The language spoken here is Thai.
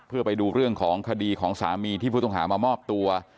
เพื่อไปดูเรื่องของคดีของสามีที่ผู้ต้องหามามอบตัว